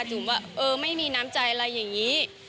ถึงว่าเออไม่มีน้ำใจอะไรอย่างนี้